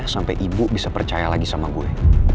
sampai ibu bisa percaya lagi sama gue